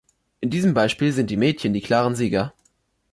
In diesem Beispiel sind die Mädchen die klaren Sieger.